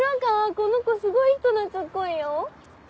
このコすごい人懐っこいよ。